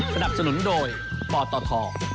สนับสนุนโดยปตท